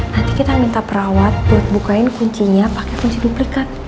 nanti kita minta perawat buat bukain kuncinya pakai kunci duplikat